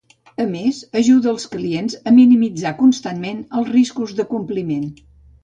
A més, ajuda els clients a minimitzar constantment els riscos de compliment.